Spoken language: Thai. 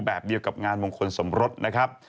แบบเดียวกับงานมงคลสมรสนะครับ